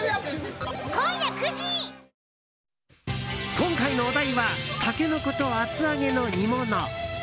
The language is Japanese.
今回のお題はタケノコと厚揚げの煮物。